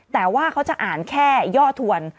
แต่ว่าเขาจะอ่านแค่ย่อทวน